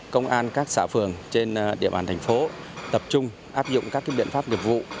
công an các xã phường trên địa bàn thành phố tập trung áp dụng các biện pháp nghiệp vụ